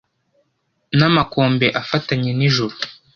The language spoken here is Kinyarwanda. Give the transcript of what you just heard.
n' amakombe afatanye n' ijuru